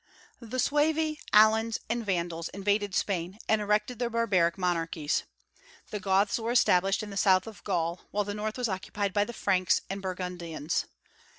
The Suevi, Alans, and Vandals invaded Spain, and erected their barbaric monarchies. The Goths were established in the south of Gaul, while the north was occupied by the Franks and Burgundians.